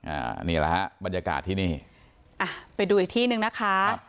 อ่านี่แหละฮะบรรยากาศที่นี่อ่ะไปดูอีกที่หนึ่งนะคะครับ